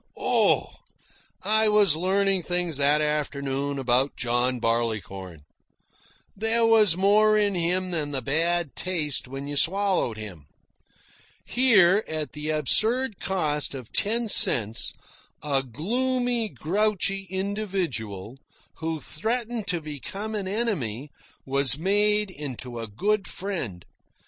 Oh! I was learning things that afternoon about John Barleycorn. There was more in him than the bad taste when you swallowed him. Here, at the absurd cost of ten cents, a gloomy, grouchy individual, who threatened to become an enemy, was made into a good friend.